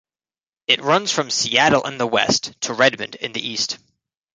It runs from Seattle in the west to Redmond in the east.